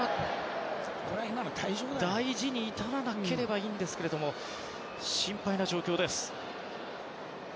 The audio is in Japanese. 大事に至らなければいいですが心配な状況です。